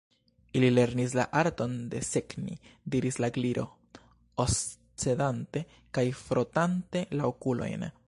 "Ili lernis la arton desegni," diris la Gliro, oscedante kaj frotante la okulojn.